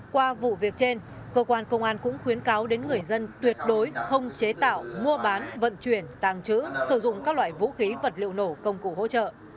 qua vụ việc trên cơ quan công an cũng khuyến cáo đến người dân tuyệt đối không chế tạo mua bán vận chuyển tàng trữ sử dụng các loại vũ khí vật liệu nổ công cụ hỗ trợ